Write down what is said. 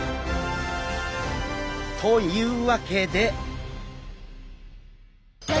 というわけで。